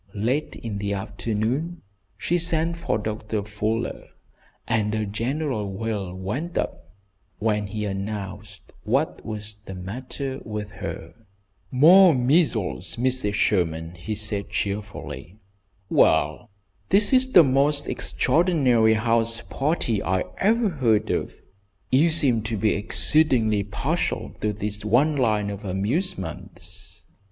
Late in the afternoon she sent for Doctor Fuller, and a general wail went up when he announced what was the matter with her. "More measles, Mrs. Sherman," he said, cheerfully. "Well, this is the most extraordinary house party I ever heard of. You seem to be exceedingly partial to this one line of amusements."